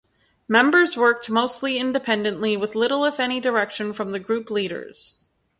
Members worked mostly independently with little if any direction from the group leaders.